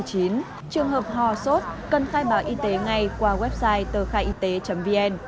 trường hợp hòa sốt cần khai báo y tế ngay qua website tờkhaiyt vn